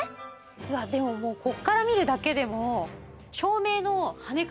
うわっでももうここから見るだけでも。